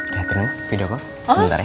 liatin dulu video gue sebentar ya